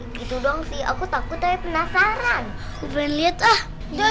tunggu tunggu tunggu kenapa muci kenapa